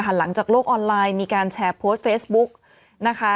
หลังจากโลกออนไลน์มีการแชร์โพสต์เฟซบุ๊กนะคะ